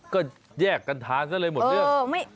ก็แยกกันทานซะเลยหมดเรื่อง